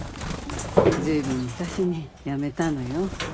随分昔に辞めたのよ。